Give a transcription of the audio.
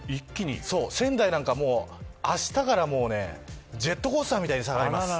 仙台なんか、もうあしたからジェットコースターみたいに下がります。